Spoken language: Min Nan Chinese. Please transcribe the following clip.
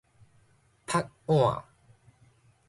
覆碗